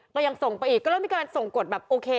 ก็ยังส่งไปอีกก็เริ่มมีการส่งกฎแบบโอเค